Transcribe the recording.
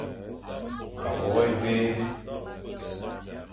Ma wôkh évé.